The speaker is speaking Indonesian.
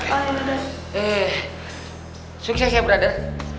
oke eh sukses ya brother